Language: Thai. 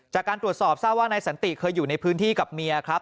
จากการตรวจสอบทราบว่านายสันติเคยอยู่ในพื้นที่กับเมียครับ